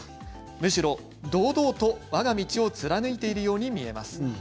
むしろ堂々と、わが道を貫いているように見えます。